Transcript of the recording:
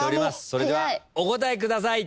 それではお答えください。